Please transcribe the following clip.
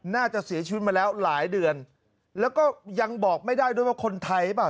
น่าจะเสียชีวิตมาแล้วหลายเดือนแล้วก็ยังบอกไม่ได้ด้วยว่าคนไทยหรือเปล่า